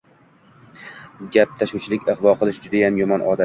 Gap tashuvchilik, ig‘vo qilish – judayam yomon odat.